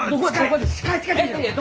近い！